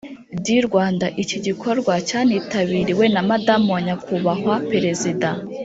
du Rwanda Iki gikorwa cyanitabiriwe na Madamu wa Nyakubahwa Perezida